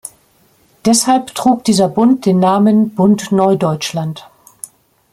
Deshalb trug dieser Bund den Namen, „Bund Neudeutschland“.